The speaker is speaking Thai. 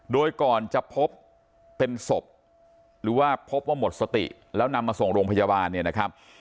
โดยก่อนจะพบเป็นศพหรือว่าพบว่าหมดสติแล้วนำมาส่งโรงพยาบาลเนี่ยนะครับ